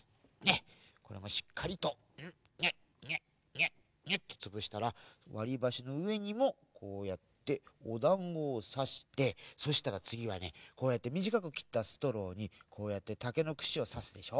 しっかりとギュッギュッギュッギュッギュッとつぶしたらわりばしのうえにもこうやっておだんごをさしてそしたらつぎはねこうやってみじかくきったストローにこうやってたけのくしをさすでしょ。